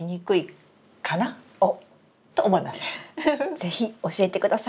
是非教えてください。